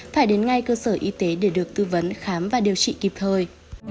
phải đến ngay cơ sở y tế để được tư vấn khám và điều trị kịp thời